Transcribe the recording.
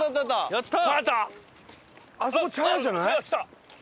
やったー！